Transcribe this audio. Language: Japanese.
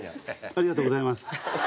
ありがとうございます。